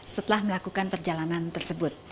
setelah melakukan perjalanan tersebut